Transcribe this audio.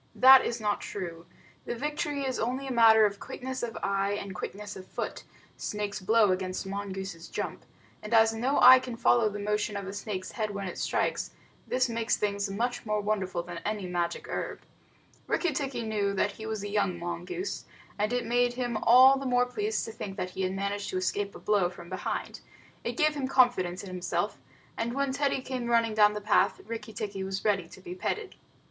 That is not true. The victory is only a matter of quickness of eye and quickness of foot snake's blow against mongoose's jump and as no eye can follow the motion of a snake's head when it strikes, this makes things much more wonderful than any magic herb. Rikki tikki knew he was a young mongoose, and it made him all the more pleased to think that he had managed to escape a blow from behind. It gave him confidence in himself, and when Teddy came running down the path, Rikki tikki was ready to be petted.